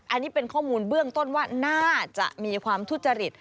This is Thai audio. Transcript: อันนี้เป็นข้อมูลเบื้องต้นว่าน่าจะมีความทุจริต